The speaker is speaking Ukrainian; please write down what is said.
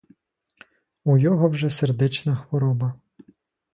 У його вже сердечна хвороба.